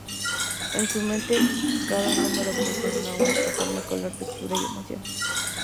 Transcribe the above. En su mente, cada número posee una única forma, color, textura y emoción.